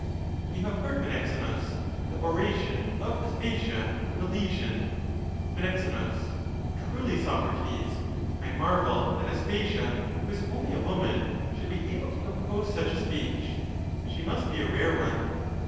You have heard, Menexenus, the oration of Aspasia the Milesian. Men. Truly, Socrates, I marvel that Aspasia, who is only a woman, should be able to compose such a speech ; she must be a rare one.